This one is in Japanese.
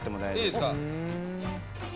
いいですか。